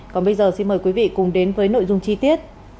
còn bây giờ xin mời quý vị cùng đến với nội dung chi tiết